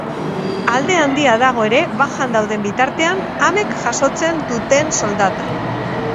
Alde handia dago ere bajan dauden bitartean amek jasotzen duten soldatan.